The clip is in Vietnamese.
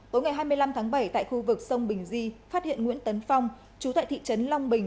tối ngày hai mươi năm tháng bảy tại khu vực sông bình di phát hiện nguyễn tấn phong chú tại thị trấn long bình